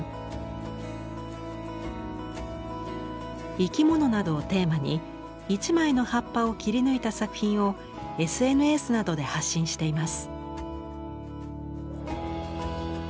生き物などをテーマに一枚の葉っぱを切り抜いた作品をＳＮＳなどで発信しています。